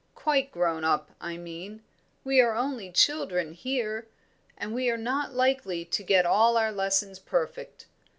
"Quite grown up, I mean; we are only children here, and we are not likely to get all our lessons perfect."